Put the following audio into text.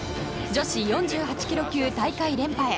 女子４８ｋｇ級大会連覇へ。